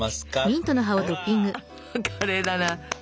カレーだな。